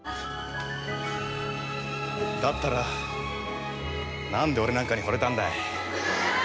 だったらなんで俺なんかにほれたんだい。